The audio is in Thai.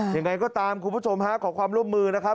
ยังไงก็ตามคุณผู้ชมฮะขอความร่วมมือนะครับ